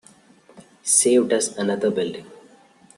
Saved us another building.